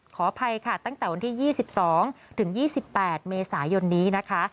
ขออภัยค่ะตั้งแต่วันที่๒๒ถึง๒๘เมษายนนี้นะคะ